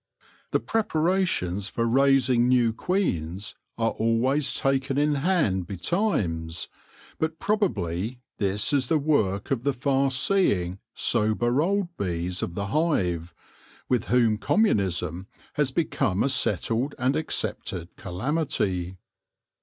The preparations for raising new queens are always taken in hand betimes, but probably this is the work of the far seeing, sober old bees of the hive, with whom communism has become a settled and accepted calamity.